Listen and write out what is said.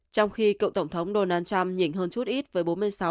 trong khi cậu tổng thống donald trump nhìn hơn chút ít với bốn mươi sáu bốn mươi tám